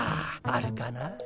あるかな。